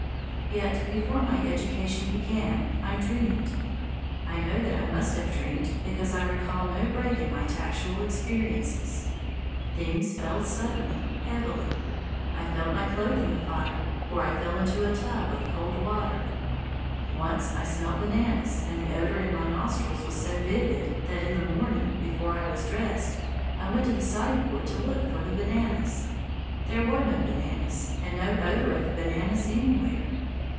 Yet before my education began, I dreamed. I know that I must have dreamed because I recall no break in my tactual experiences. Things fell suddenly, heavily. I felt my clothing afire, or I fell into a tub of cold water. Once I smelt bananas, and the odour in my nostrils was so vivid that in the morning, before I was dressed, I went to the sideboard to look for the bananas. There were no bananas, and no odour of bananas anywhere!